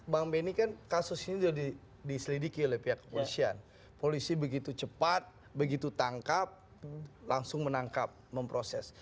bang benny kan kasus ini sudah diselidiki oleh pihak kepolisian polisi begitu cepat begitu tangkap langsung menangkap memproses